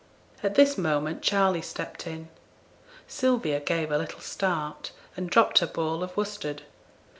At this moment Charley stepped in. Sylvia gave a little start and dropped her ball of worsted.